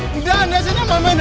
tidak anda sendiri yang main main